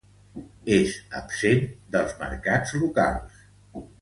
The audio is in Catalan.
És absent dels mercats locals.